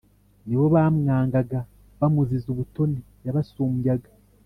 ni bo bamwangaga, bamuziza ubutoni yabasumbyaga